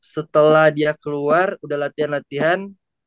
setelah dia keluar udah latihan latihan